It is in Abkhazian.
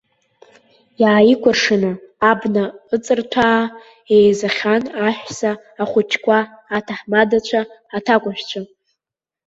Иааикәыршаны абна ыҵырҭәаа еизахьан аҳәса, ахәыҷқәа, аҭаҳмадацәа, аҭакәажәцәа.